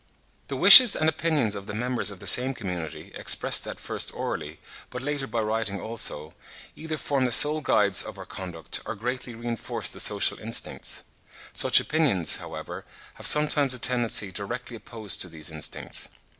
The wishes and opinions of the members of the same community, expressed at first orally, but later by writing also, either form the sole guides of our conduct, or greatly reinforce the social instincts; such opinions, however, have sometimes a tendency directly opposed to these instincts.